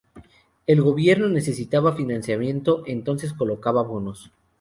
El Gobierno necesitaba financiamiento entonces colocaba bonos.